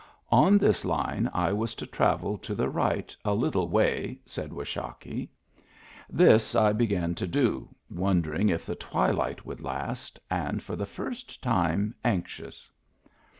On this line I was to travel to the right "a little way," said Washakie. This I began to do, wondering if the twilight would last, and for the first time anxious.